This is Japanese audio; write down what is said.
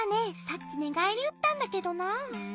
さっきねがえりうったんだけどなぁ。